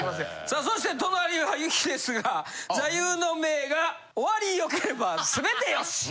さあそして隣はゆきですが座右の銘が「終わり良ければ全て良し」。